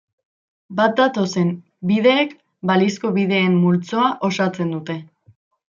Bat datozen bideek balizko bideen multzoa osatzen dute.